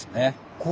こう。